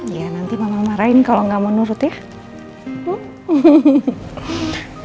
iya nanti mama marahin kalau gak mau nurut ya